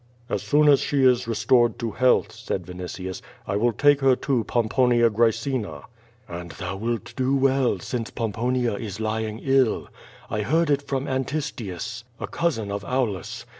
"As soon as she is restored to health," said Vinitius, "I will take her to Pomponia Graecina." "And thou wilt do well, since Pomponia is lying ill. I heard it from Antistius, a cousin of Aulus.